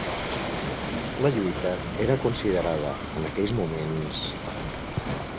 La lluita era considerada, en aquells moments...